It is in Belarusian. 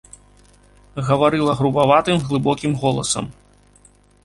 Гаварыла грубаватым, глыбокім голасам.